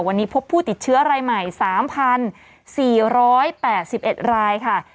วันนี้พบผู้ติดเชื้อรายใหม่สามพันสี่ร้อยแปดสิบเอ็ดรายค่ะ